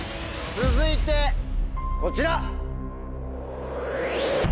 続いてこちら。